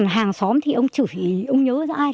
hàng xóm thì ông chửi ông nhớ ra ai